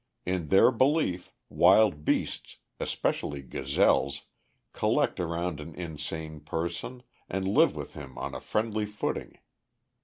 In their belief, wild beasts, especially gazelles, collect around an insane person, and live with him on a friendly footing.